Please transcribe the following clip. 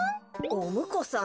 おむこさん？